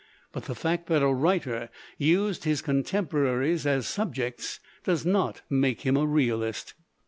But the fact that a writer used his contemporaries as subjects does not make him a realist.